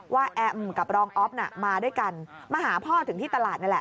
แอมกับรองอ๊อฟน่ะมาด้วยกันมาหาพ่อถึงที่ตลาดนั่นแหละ